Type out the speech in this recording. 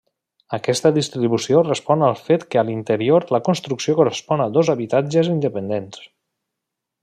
Aquesta distribució respon al fet que a l'interior la construcció correspon a dos habitatges independents.